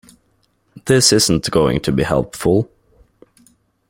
This isn't going to be helpful.